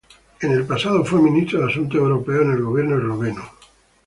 En el pasado fue ministro de Asuntos Europeos en el gobierno esloveno.